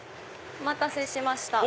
お待たせしました。